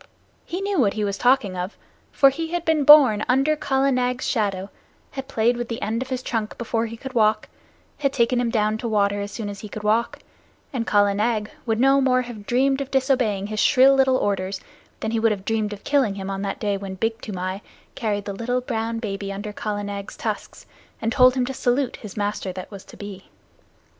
He knew what he was talking of; for he had been born under Kala Nag's shadow, had played with the end of his trunk before he could walk, had taken him down to water as soon as he could walk, and Kala Nag would no more have dreamed of disobeying his shrill little orders than he would have dreamed of killing him on that day when Big Toomai carried the little brown baby under Kala Nag's tusks, and told him to salute his master that was to be.